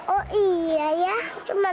oh iya ya cuman empat